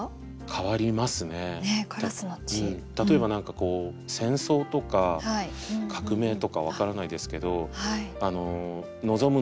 例えば何かこう戦争とか革命とか分からないですけど望む